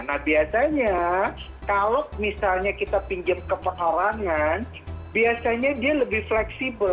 nah biasanya kalau misalnya kita pinjam ke perorangan biasanya dia lebih fleksibel